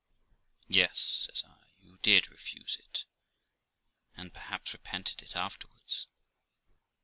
'Yes', says I, 'you did refuse it, and perhaps repented it afterwards.'